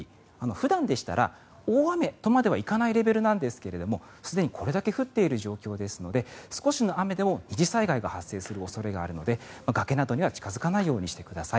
普段でしたら大雨とはいかない状況なんですがすでにこれだけ降っている状況ですので少しの雨でも二次災害が発生する恐れがあるので崖などには近付かないようにしてください。